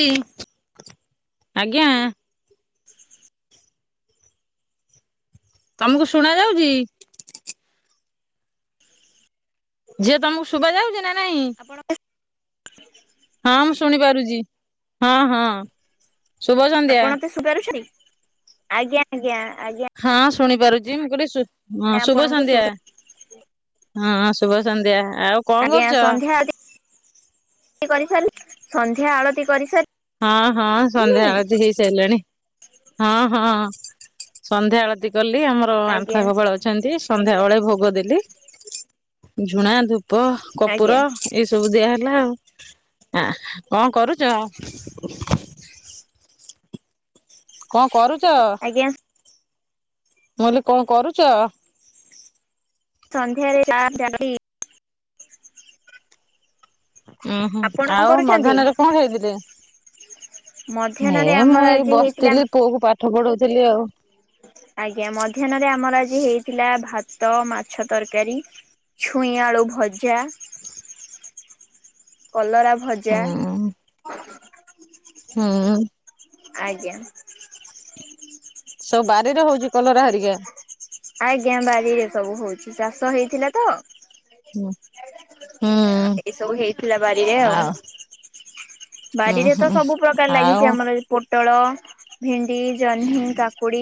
[unintelligible] ଆଜ୍ଞା। [unintelligible] ତମକୁ ଶୁଣା ଯାଉଛି। ଝିଅ ତମକୁ ଶୁବା ଯାଉଛି ନା? ନାଇଁ ଆପଣ [unintelligible] ହଁ ମୁଁ ଶୁଣି ପାରୁଛି, ହଁ, ହଁ। ଶୁଭ ସନ୍ଧ୍ୟା ଆପଣ ତ ସୁଗାରିଶ୍ରୀ ଆଜ୍ଞା, ଆଜ୍ଞା, ଆଜ୍ଞା। ହଁ, ଶୁଣିପାରୁଛି ମୁଁ କହିଲି ଶୁ ହଁ ଶୁଭ ଆପଣଙ୍କୁ ସନ୍ଧ୍ୟା। ଶୁଭୁ ହଁ, ଶୁଭ ସନ୍ଧ୍ୟା, ଆଉ କଣ ଆଜ୍ଞା, କରୁଛ ସନ୍ଧ୍ୟା କରିସାରି ସନ୍ଧ୍ୟା ଆଳତି କରିସାରି ହଁ, ହଁ, ସନ୍ଧ୍ୟା ଆଳତି ହେଇସାଇଲାଣି। ହଁ, ହଁ ସନ୍ଧ୍ୟା ଆଳତି କଲି, ଆମର ଆଜ୍ଞା ଆଣ୍ଠୁଆଗୋପାଳ ଅ ଅଛନ୍ତି, ସନ୍ଧ୍ୟାବେଳେ ଭୋଗ ଦେଲି, ଝୁଣା, ଧୂପ, ଆଜ୍ଞା କପୁର ଏସବୁ ଦିଆ ହେଲା ଆଉ, ଆ କଣ କରୁଛ? କଣ କରୁଚ? ଆଜ୍ଞା। ମୁଁ କହିଲି କଣ କରୁଛ? ସନ୍ଧ୍ୟା ଦେଇ [unintelligible] ଉୁଁ ହୁଁ ଆପଣ କଣ ଆଉ କରୁଛନ୍ତି? ମଧ୍ୟାହ୍ନରେ କଣ ହେଇଥିଲେ? ହେ ମଧ୍ୟାହ୍ନରେ ମୁଁ ଆମର ଏଇ ଆଜି ହେଇଥିଲା ବସିଥିଲି ପୁଅକୁ ପାଠ ପଢଉଥିଲି ଆଉ। ଆଜ୍ଞା ମଧ୍ୟାହ୍ନରେ ଆମର ଆଜି ହେଇଥିଲା ଭାତ ମାଛ ତରକାରୀ ଛୁଇଁଆଳୁ ଭଜା କଲରା ଭଜା ହୁଁ ହୁଁ। ଆଜ୍ଞା। ସବୁ ବାରିରେ ହଉଚି କଲରା ହେରିକା ଆଜ୍ଞା ବାରିରେ ସବୁ ହଉଚି ଚାଷ ହେଇଥିଲା ତ ହୁଁ। ଏସବୁ ହେଇଥିଲା ବାରିରେ ଆଉ। ହୁଁ ବାରିରେ ତ ହୁଁ ସବୁ ପ୍ରକାର ଆଉ ଲାଗିଚି ଆମର ପୋଟଳ ଭେଣ୍ଡି ଜହ୍ନି, କାକୁଡି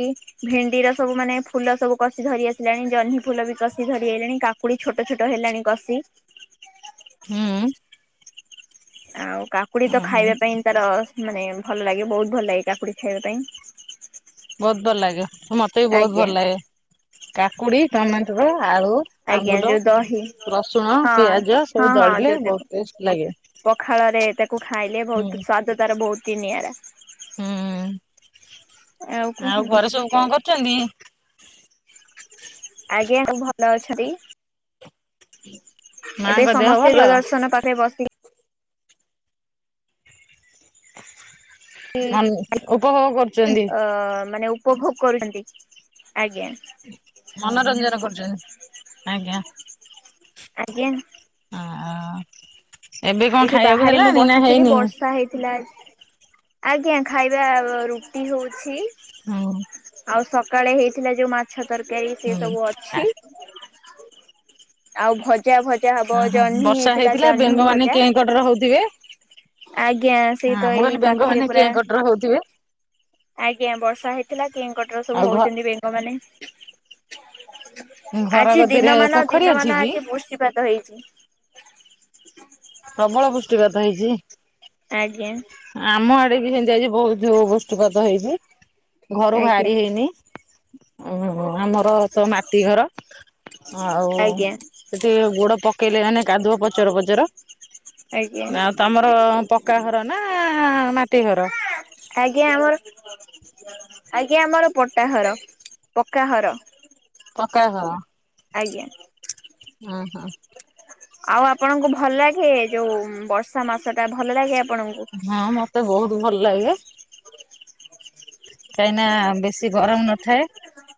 ଭେଣ୍ଡିର ସବୁ ମାନେ ଫୁଲ ସବୁ କଷି ଧରି ଆସିଲାଣି ଜହ୍ନି ଫୁଲ ବି କଷି ଧରି ହେଲାଣି କା କକୁଡି ଛୋଟ ଛୋଟ ହେଲାଣି କସି ହୁଁ। ଆଉ କାକୁଡି ତ ଖାଇବା ପାଇଁ ତାର ମାନେ ଭଲ ଲାଗେ ବହୁତ ଭଲ ଲାଗେ କାକୁଡି ଖାଇବା ପାଇଁ। ବହୁତ ଭଲ ଲାଗିବ ମତେ ବି ବହୁତ ଆଜ୍ଞା ଭଲ ଲାଗେ କାକୁଡି ଟମାଟର ଆଳୁ ଆଜ୍ଞା ଆମ୍ବୁଲ, ଯୋଉ ଦହି ରସୁଣ, ହଁ ପିଆଜ ହଁ ସବୁ ହଁ ଦଳିଲେ ଯୋଉ ତାକୁ ବହୁତ ଟେଷ୍ଟ ଲାଗେ ପଖାଳରେ ତାକୁ ଖାଇଲେ ହୁଁ ବହୁତ ସ୍ଵାଦ ତାର ବହୁତ ହି ନିଆରା। ହୁଁ ଆଉ ଘରେ ସବୁ କଣ କରୁଚନ୍ତି? ଆଜ୍ଞା, ସବୁ ଭଲ ଅଛନ୍ତି। ମାଙ୍କ ଏବେ ଦେହ ସମସ୍ତେ ଭଲ? ଦୂରଦର୍ଶନ ପାଖରେ ବସି ମନ ଉପଭୋଗ କରୁଚନ୍ତି। ତ ମାନେ ଉ ଉପଭୋଗ କରୁଚନ୍ତି ଆଜ୍ଞା। ମନୋରଞ୍ଜନ କରୁଚନ୍ତି ଆଜ୍ଞା। ଆଜ୍ଞା। ଅ ହ। ଏଇଠି ବାହାରେ ମୁଁ ବସିଥିଲି ବର୍ଷା ହେଇଥିଲା ଆଜି ଆଜ୍ଞା ଖାଇବା ରୁଟି ହଉଛି। ହୁଁ। ଆଉ ସକାଳେ ହେଇଥିଲା ଯୋଉ ମାଛ ତରକାରୀ ସେ ହୁଁ ସବୁ ଅଛି ଆଉ ଭଜା ଭଜା ହବ ଜହ୍ନି ହେଇଥିଲା ଜହ୍ନି ଭଜା ଢ ର ହଉଥିବେ ଆଜ୍ଞା ସେଇ ତ ଏଇ ପାଖରେ ପୁରା ର ହଉଥିବେ ଆଜ୍ଞା, ବର୍ଷା ହେଇଥିଲା କେଁକଟର ସବୁ ଆଉ ଘ ହଉଚନ୍ତି ବେଙ୍ଗ ମାନେ ଘର ଆଜି କତିରେ ଦିନମାନ ପୋଖରୀ ଅଛି ଦିନମାନ କି? ଆଜି ବୃଷ୍ଟିପାତ ହେଇଚି। ପ୍ରବଳ ବୃଷ୍ଟିପାତ ହେଇଚି। ଆଜ୍ଞା। ଆମ ଆଡେ ବି ସେମିତି ଆଜି ବହୁତ ବୃଷ୍ଟିପାତ ହେଇଚି। ଘରୁ ବାହାରି ଆଜ୍ଞା ହେଇନି ଆମର ତ ମାଟି ଘର। ଆଉ ଆଜ୍ଞା ସେଠି ଗୋଡ ପକେଇଲେ ମାନେ କାଦୁଅ ପଚର ପଚର। ଆଜ୍ଞା ଆଉ ତମର ପକ୍କା ଘର ନା ମାଟି ଘର? ଆଜ୍ଞା ଆମର ଆଜ୍ଞା ଆମର ପଟା ଘର ପକ୍କା ଘର। ପକା ଘର, ଆଜ୍ଞା, ହଁ-ହଁ, ଆଉ ଆପଣଙ୍କୁ ଭଲ ଲାଗେ ଯୋଉ ବର୍ଷା ମାସ ଟା ଭଲ ଲାଗେ ଆପଣଙ୍କୁ? ହଁ ମତେ ବହୁତ୍ ଭଲ ଲାଗେ, କାହିଁନା ବେଶୀ ଗରମ୍ ନଥାଏ,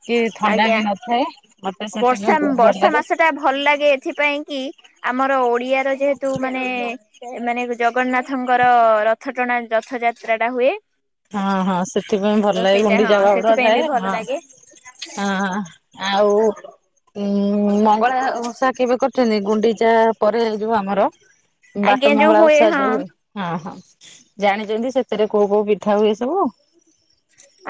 କି ଥଣ୍ଡା ଆଜ୍ଞା ବି ନଥାଏ ମତେ ସେଥିପାଇଁ ବହୁତ୍ ଭଲ ଲାଗେ, ତା ଭଲ ଲାଗେ ଏଥିପାଇଁ କି ଆମର ଓଡିଆ ତ ଯେହେତୁ ମାନେ ଏ ମାନେ ଜଗନ୍ନାଥଙ୍କ୍ ଙ୍କର ରଥ ଟଣା ରଥଯାତ୍ରା ଟା ହୁଏ, ହଁ-ହଁ ସେଥିପାଇଁ ତ ଭଲ ଲାଗେ ସେଇଟା ହଁ ଗୁଣ୍ଡିଚା ବାହୁଗୁଡ଼ା ସେଥିପାଇଁ ଥାଏ ବି ଭଲ ହଁ, ଲାଗେ। ହଁ-ହଁ ଆଉ ଦେ ଉଁ ମଙ୍ଗଳା ଓଷା କେବେ କରିୁଛନ୍ତି ଗୁଣ୍ଡିଚା ପରେ ଏ ଯୋଉ ଆମର? ବାଟ ଆଜ୍ଞା ଯୋଉ ମଙ୍ଗଳା ହୁଏ ଓଷା ହଁ ଯୋଉ, ହଁ-ହଁ ଜାଣିଛନ୍ତି ସେଥିରେ କୋଉ-କୋଉ ପିଠା ହୁଏ ସବୁ ଆଉ,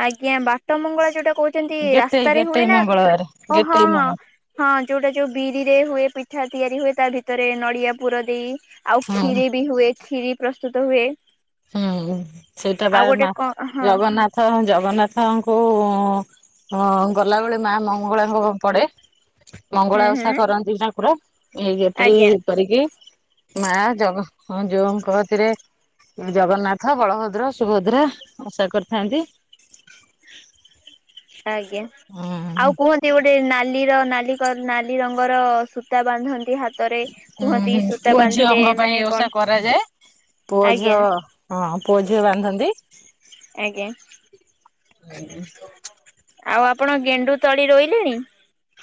ଆଜ୍ଞା ବାଟ ମଙ୍ଗଳା ଯୋଉଟା କହୁଛନ୍ତି ଗେଟେଇ ରାସ୍ତାରେ ହୁଏ ଗେଟେଇ ନା ମଙ୍ଗଳବାର ଓ ହଁ, ଗେଟେଇ ମଙ୍ଗ ହଁ ଯୋଉଟା ଯୋଉ ବିରିରେ ହୁଏ ପିଠା ତିଆରି ହୁଏ ତା ଭିତରେ ନଡିଆ ପୁର ଦେଇ, ଆଉ ହଁ କ୍ଷୀରି ବି ହୁଏ କ୍ଷୀରି ପ୍ରସ୍ତୁତ ହୁଏ, ହୁଁ ସେଇଟା ଆଉ ବାର୍ ଗୋଟେ ମା କଣ ହଁ ଜଗନ୍ନାଥ ତ ଜଗନ୍ନାଥଙ୍କୁ ଗଁ-ଗଁ ଗଲାବେଳେ ମା ମଙ୍ଗଳା ପ ପଡ଼େ, ହୁଁ ମଙ୍ଗଳା ଓଷା ହୁଁ କରନ୍ତି ଠାକୁର ଏଗେଧେଇ, ଆଜ୍ଞା କରିକି ମା ଜଗ ହଁ ଯୋଉଙ୍କକତିରେ, ଜଗନ୍ନାଥ ବଳଭଦ୍ର ସୁଭଦ୍ରା ଆଶା କରିଥାନ୍ତି, ଆଜ୍ଞା ଉଁ ଆଉ କୁହ ନ୍ତି ଗୋଟେ ନାଲି ର ନାଲି କର୍ ନାଲି ରଙ୍ଗର ସୂତା ବାନ୍ଧନ୍ତି ହାତ୍ ହୁଁ-ହୁଁ ପୁଅ ଝିଅଙ୍କ ପାଇଁ ମାନେ କଣ ଓଷା କରାଯାଏ ପୁଅ ଆଜ୍ଞା ଝିଅ, ହଁ ପୁଅଝିଅ ବାନ୍ଧନ୍ତି, ଆଜ୍ଞା ଆଉ ଆପଣ ଗେଣ୍ଡୁ ତଳି ରୋଇଲେଣି?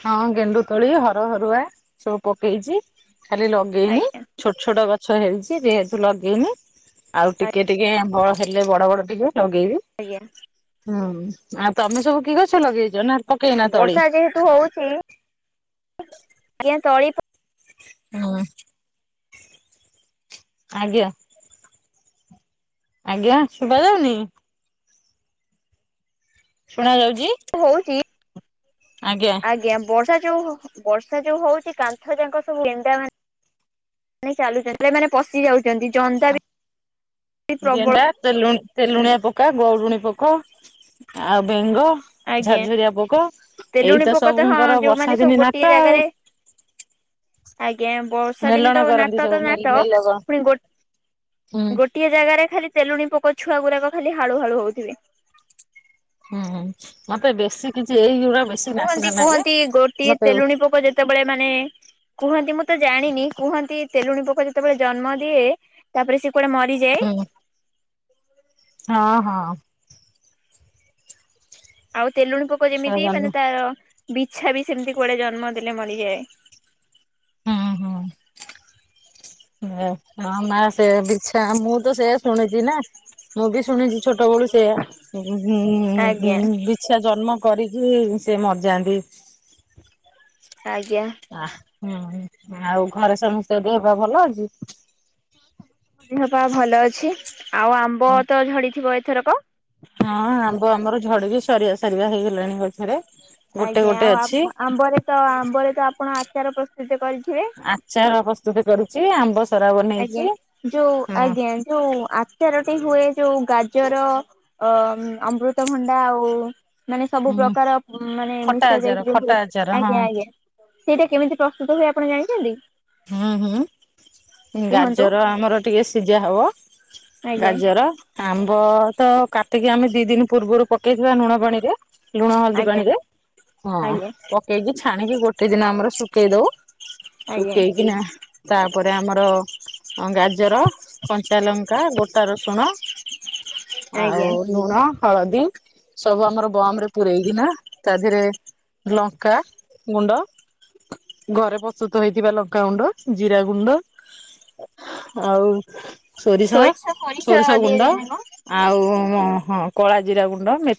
ହଁ ଗେଣ୍ଡୁ ତଳି ହର ହରୁଆ ସବୁ ପକେଇଛି ଖାଲି ଲଗେଇନି, ଆଜ୍ଞା। ଛୋଟ୍-ଛୋଟ ଗଛ ହେଇଛି ଯେହେତୁ ଲଗେଇନି, ଆଉ ଟିକେ-ଟିକେ କଅଁଳ ହେଲେ ବଡ଼ ବଡ଼ ଟିକେ ଲଗେଇବି, ଆଜ୍ଞା, ହୁଁ ଆଉ ତମେ ସବୁ କି ଗଛ ଲଗେଇଛ ନା? ପକେଇନା ତଳି ବର୍ଷା ଯେହେତୁ ହଉଛି ଆଜ୍ଞା ତଳି ପ ହୁଁ, ଆଜ୍ଞା, ଆଜ୍ଞା ଶୁଭାଯାଉନି? ଶୁଣା ଯାଉଛି। ହଉଛି ଆଜ୍ଞା ବର୍ଷା ଯୋଉ ହଉ ବର୍ଷା ଯୋଉ ହଉଛି କାନ୍ଥ ଯାକ ସବୁ ଗେଣ୍ଡା ମାନ୍, ମାନେ ଚାଲୁଛନ୍ତି ନାଇଁ ମାନେ ପଶି ଯାଉଛନ୍ତି, ଜନ୍ଦା ବି ଆ ପ୍ରବଳ ଗେଣ୍ଡା, ତେଲୁନ୍ ତେଲୁଣିଆ ପକା, ଗରୁଣୀ ପୋକ ଆ ବେଙ୍ଗ, ଆଜ୍ଞା ଝରଝୁରିଆ ପୋକ ତେଲୁଣି ଏଇତ ପୋକ ତ ହଁ ସବୁଙ୍କର ଯୋଉମାନେ ବର୍ଷା ସବୁ ଦିନି ଗୋଟିଏ ନାଟ ଆଉ, ଜାଗାରେ ଆଜ୍ଞା ବର୍ଷା ଦିନେ ମେଲଣ ତ ଗ କରନ୍ତି ନାଟ ସବୁ ତ ନାଟ ମେଲଗ ପୁଣି ହୁଁ। ଗୋଟ୍- ଗୋଟ୍ ଗୋଟିଏ ଜାଗାରେ ଖାଲି ତେଲୁଣି ପୋକ ଛୁଆ ଗୁରାକ ଖାଲି ହାଳୁ ହାଳୁ ହଉଥିବେ। ହୁଁ ହୁଁ ମତେ ବେଶୀ କିଛି ଏଇ ଯୋଉ ଗୁଡା ବେଶୀ। ନାସିନା କୁହନ୍ତି ଲାଗେ କୁହନ୍ତି ଗୋଟିଏ ମତେ ହୁଁ ତେଲୁଣି ପୋକ ଯେତେବେଳେ ମାନେ। କୁହନ୍ତି ମୁଁ ତ ଜାଣିନି କୁହନ୍ତି ତେଲୁଣିପୋକ ଯେତେବେଳେ ଜନ୍ମ ଦିଏ ତାପରେ ସେ କୁଆଡେ ମରିଯାଏ। ହଁ ହଁ। ଆଉ ତେଲୁଣି ପୋକ ଯେମିତି ସଜନ ମାନେ ତାର ବିଛା ବି ସେମିତି କୁଆଡେ ଜନ୍ମ ଦେଲେ ମରିଯାଏ। ଉଁ ହୁଁ। ମୋ ମୋ ମା ସେଇଆ ବିଛା ମୁଁ ତ ସେୟା ଶୁଣିଚି ନା। ମୁଁ ବି ଶୁଣିଛି ଛୋଟବେଳୁ ସେଇଆ ଗୁଁ ଉଁ ଗୁଁ ଆଜ୍ଞା। ବି ବିଛା ଜନ୍ମ କରିକି ସେ ମରିଯାନ୍ତି। ଆଜ୍ଞା ଆଃ ହୁଁ ଆଉ ଘରେ ସମସ୍ତେ ଦେହପା ଭଲ ଅଛି। ହଁ ଧିଅ ପା ଭଲ ଅଛି ଆଉ ଆମ୍ବ ତ ଝଡିଥିବ ଏଇ ଥର କ? ହଁ ଆମ୍ବ ଆମର ଝଡିକି ସରିବା ସରିବା ହେଇଗଲାଣି ଗଛରେ। ଗୋଟେ ଆଜ୍ଞା ଗୋଟେ ଆଉ ଅଛି ଆମ୍ ଆମ୍ବରେ ତ ଆମ୍ବରେ ତ ଆପଣ ଆଚାର ପ୍ରସ୍ତୁତି କରିଥିବେ। ଆଚାର ପ୍ରସ୍ତୁତି କରୁଚି ଆମ୍ବ ସରା ଆଜ୍ଞା ବନେଇଚି ଯୋଉ ହୁଁ। ଆଜ୍ଞା ଯୋଉ ଆଚାରଟି ହୁଏ ଯୋଉ ଗାଜର। ଅ ଅମୃତଭଣ୍ଡା ଆଉ। ମାନେ ସବୁ ହୁଁ ପ୍ରକାର ମାନେ ଖଟା ମିସା ଆଚାର ଯାଇକି ଯୋଉ ଖଟା ହୁଏ ଆଚାର ହଁ ଆଜ୍ଞା ଆଜ୍ଞା। ସେଇଟା କେମିତି ପ୍ରସ୍ତୁତ ହୁଏ ଆପଣ ଜାଣିଚନ୍ତି। ହୁଁ ହୁଁ କୁହନ୍ତୁ ଗାଜର ଆମର ଟିକେ ସିଝା ହବ। ଆଜ୍ଞା ଗାଜର। ଆମ୍ବ ତ କାଟିକି ଆମେ ଦି ଦିନି ପୂର୍ବରୁ ପକେଇଥିବା ଲୁଣପାଣିରେ। ଲୁଣ ହଳଦୀ ଆଜ୍ଞା। ପାଣିରେ ହଁ ଆଜ୍ଞା ପକେଇକି ଛାଣିକି ଗୋଟେ ଦିନ ଆମର ଶୁଖେଇ ଦଉ। ଆଜ୍ଞା ଶୁଖେଇ କିନା। ତାପରେ ଆମର ଗାଜର କଞ୍ଚା ଲଙ୍କା ଗୋଟା ରସୁଣ। ଆଉ ଆଜ୍ଞା। ଲୁଣ ହଳଦୀ। ସବୁ ଆମର ବମ୍ ରେ ପୁରେଇକିନା ତା ଧିଏରେ। ଲଙ୍କା ଗୁଣ୍ଡ ଘରେ ପ୍ରସ୍ତୁତ ହେଇଥିବା ଲଙ୍କ୍ ଲଙ୍କା ଗୁଣ୍ଡ ଜିରା ଗୁଣ୍ଡ ଆଉ। ସୋରିଷ ସୋରିଷ ଗୁଣ୍ଡ ଦିଆଯାଏ ନା କଣ ଆଉ ହଁ କଳା ଜିରା ଗୁଣ୍ଡ ମେ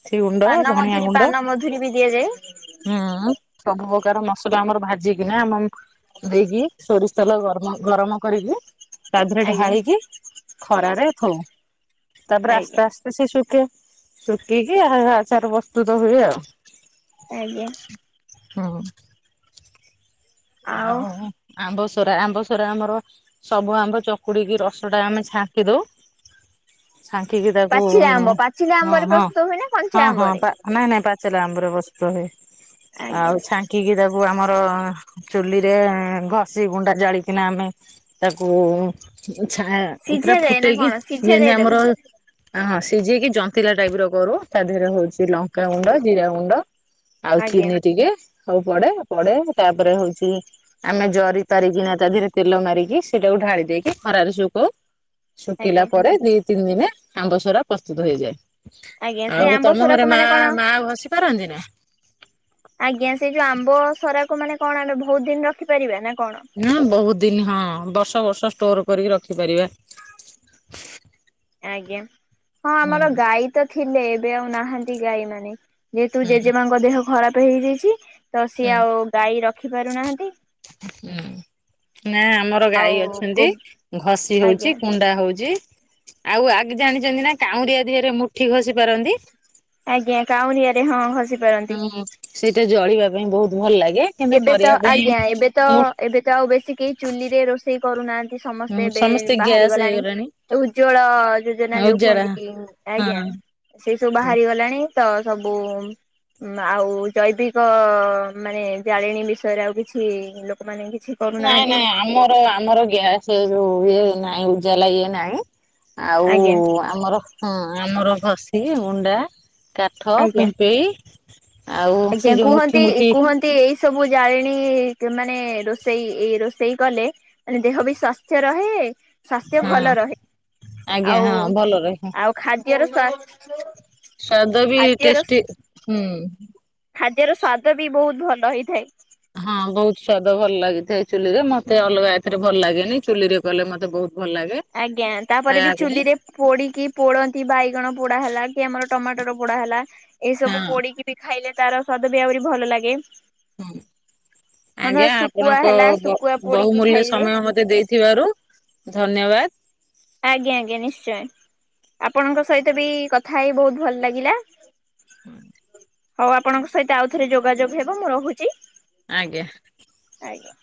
ପାନ ମଧୁରୀ ପାନ ମଧୁରୀ ବି ଦିଆଯାଏ। ହୁଁ ସବୁପକାର ମସଲା ଆମର ଭାଜିକିନା ଆମ ଦେଇକି। ସୋରିଷ ତେଲ ଗର୍ମ ଗରମ କରିକି ତା ଦେହରେ ଆଜ୍ଞା। ଢାଳିକି। ଖରାରେ ଥୋଉ ତାପରେ ଆଜ୍ଞା ଆସ୍ତେ ଆସ୍ତେ। ସେ ଶୁକେ ଶୁକିକି ଆଉ ଆଚାର ପ୍ରସ୍ତୁତ ହୁଏ ଆଉ। ଆଜ୍ଞା। ହୁଁ। ଆଉ ଆମ୍ବସରା ଆମ୍ବସରା ଆମର। ସବୁ ଆମ ଚକୁଡିକି ରସ ଟା ଆମେ ଛାଙ୍କି ଦଉ। ଛାଙ୍କିକି ତାକୁ ହଁ ପାଚିଲା ଆମ୍ବ ପାଚିଲା ହଁ ଆମ୍ବରେ ପ୍ରସ୍ତୁତ ହୁଏ ନା କଞ୍ଚା ହଁ ହଁ ଆମ୍ବରେ? ତା ନାଇଁ ନାଇଁ ପାଚିଲା ଆମ୍ବରେ ପ୍ରସ୍ତୁତ ହୁଏ ଆଜ୍ଞା ଆଉ ଛାଙ୍କିକି ତାକୁ ଆମର। ଚୁଲିରେ ଘଷି ଗୁଣ୍ଡା ଜାଳିକିନା ଆମେ ତାକୁ। ଛା ସିଝା ପୂରା ଯାଏ ନା ଫୁଟେଇ କି କଣ ସିଝା ଯେମିତି ଯାଏ ତାକୁ ଆମର। ଅ ହଁ ସିଝେଇ କି ଜନ୍ତିଲା ଟାଇପ ର କରୁ ତା ଦିହେରେ ହଉଚି ଲଙ୍କାଗୁଣ୍ଡ ଜିରା ଗୁଣ୍ଡ। ଆଉ ଆଜ୍ଞା। ଚିନି ଟିକେ ସବୁ ପଡେ ପଡେ ତାପରେ ହଉଚି। ଆମେ ଜରି ପାରିକିନା ତା ଦେହେରେ ତେଲ ମାରିକି ସେଇଟାକୁ ଢାଳି ଦେଇକି ଖରାରେ ସୁକୋଉ ଶୁକିଲା ଆଜ୍ଞା ପରେ ଦି ତିନି ଦିନେ ଆମ୍ବ ସରା ପ୍ରସ୍ତୁତ ହେଇଯାଏ। ଆଜ୍ଞା ସେ ଆଉ ଆମ୍ବ ତମ ସରାକୁ ଘରେ ମା ମାନେ କଣ ମା ଘସି ପାରନ୍ତିନି? ଆଜ୍ଞା ସେଇ ଯୋଉ ଆମ୍ବ ସରାକୁ ମାନେ କଣ ଆମେ ବୋହୁତି ଦିନି ରଖିପାରିବା ନା କଣ? ହଁ ବୋହୁତି ଦିନି ହଁ ବର୍ଷ ବର୍ଷ ଷ୍ଟୋର କରିକି ରଖିପାରିବା। ଆଜ୍ଞା ହଁ ହୁଁ ଆମର ଗାଈ ତ ଥିଲେ ଏବେ ଆଉ ନାହାନ୍ତି ଗାଈ ମାନେ। ଯେହେତୁ ହୁଁ ଜେଜେମାଙ୍କ ଦେହ ଖରାପ ହେଇଯାଇଛି ତ ସିଏ ହୁଁ ଆଉ ଗାଈ ରଖି ପାରୁନାହାନ୍ତି। ହୁଁ। ନା ଆମର ଆଉ ଗାଈ ଗୋ ଅଛନ୍ତି ଘଷି ଆଜ୍ଞା ହଉଚି କୁଣ୍ଡା ହଉଚି। ଆଉ ଆଗେ ଜାଣିଛନ୍ତି ନା କାଉଁରିଆ ଦିହରେ ମୁଠି ଖଷି ପାରନ୍ତି? ଆଜ୍ଞା କାଉଁରିଆରେ ହଁ ଘସି ହୁଁ ସେଇଟା ଜଳିବା ପାଇଁ ବହୁତୁ ଭଲ ଲାଗେ। କିନ୍ତୁ ଏବେ ତ କରିବା ପାଇଁ ଆଜ୍ଞା ଏବେ ତ ଏବେ ତ ଆଉ ବେଶୀ କେହି ଚୁଲିରେ ରୋଷେଇ କରୁନାହାନ୍ତି। ସମସ୍ତେ ଏବେ ସମସ୍ତେ ବାହାରି ଗ୍ୟାସ୍ ଗଲାଣି। ହେଇଗଲାଣି ଉଜ୍ଜ୍ଵଳ ଯୋଜନା ଆଉ ଯୋଉ ଉଜାଡା କୁହନ୍ତିକି ଆଜ୍ଞା। ହଁ ସେଇ ସବୁ ବାହାରି ଗଲାଣି ତ ସବୁ ଆଉ ଜୈବିକ ମାନେ ଜାଳେଣୀ ବିଷୟରେ ଆଉ କିଛି ଲୋକମାନେ କିଛି ନାଇଁ କରୁନାହାନ୍ତି ନାଇଁ ଆମର ଆମର ଗ୍ୟାସ ଯୋଉ ଇଏ ନାହିଁ ଉଜାଲା ଇଏ ନାହିଁ। ଆଉ ଆଜ୍ଞା ଆମର ହଁ ଆମର ଘସି ଉଣ୍ଡା। କାଠ ଆଜ୍ଞା। ପିମ୍ପେଇ ଆଉ ସେ ଯୋଉ ମୁଠି ମୁଠି ତେ ଏଇ ସବୁ ଜାଳେଣୀ ମାନେ ରୋଷେଇ ଏ ରୋଷେଇ କଲେ ମାନେ ଦେହ ବି ସ୍ଵାସ୍ଥ୍ୟ ରହେ। ସ୍ୱାସ୍ଥ୍ୟ ହଁ ଭଲ ରହେ ଆଜ୍ଞା ଆଉ ହଁ ଭଲ ରହେ ଆଉ ଖାଦ୍ୟର ସ୍ୱ ସ୍ୱାଦ ବି ଟେଷ୍ଟି ହୁଁ। ଖାଦ୍ୟର ସ୍ୱାଦ ବି ବହୁତୁ ଭଲ ହୋଇଥାଏ। ହଁ ବହୁତୁ ସ୍ୱାଦ ଭଲ ଲାଗିଥାଏ ଏଇ ଚୁଲି ରେ ମତେ ଅଲଗା ଏଥିରେ ଭଲ ଲାଗେନି ଚୁଲି ରେ କଲେ ମତେ ବହୁତୁ ଭଲ ଲାଗେ। ଆଜ୍ଞା ତାପରେ ଖାଇବା ବି ପାଇଁ ଚୁଲିରେ ପୋଡିକି ପୋଡନ୍ତି ବାଇଗଣ ପୋଡା ହେଲା କି ଆମର ଟମାଟୋର ପୋଡା ହେଲା। ଏଇ ହଁ ସବୁ ହଁ ପୋଡିକି ବି ଖାଇଲେ ତାର ସ୍ଵାଦ ବି ଆହୁରି ଭଲ ଲାଗେ। ହଁ ଧର ଆଜ୍ଞା ଶୁଖୁଆ ଆପଣଙ୍କ ହେଲା ବ ଶୁଖୁଆ ପୋଡିକି ବହୁମୂଲ୍ୟ ଖାଇଲେ ସମୟ ମତେ ଦେଇ ଥିବାରୁ ଧନ୍ୟବାଦ। ଆଜ୍ଞା ଆଜ୍ଞା ନିଶ୍ଚୟ ଆପଣଙ୍କ ସହିତ ବି କଥା ହେଇ ବହୁତୁ ଭଲ ଲାଗିଲା। ହୁଁ। ହଉ ଆପଣଙ୍କ ସହିତ ଆଉ ଥରେ ଯୋଗାଯୋଗ ହେବ ମୁଁ ରହୁଚି। ଆଜ୍ଞା। ଆଜ୍ଞା।